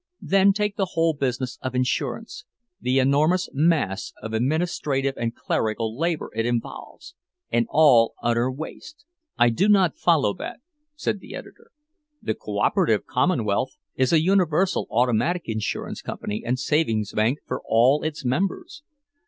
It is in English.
Then take the whole business of insurance, the enormous mass of administrative and clerical labor it involves, and all utter waste—" "I do not follow that," said the editor. "The Cooperative Commonwealth is a universal automatic insurance company and savings bank for all its members.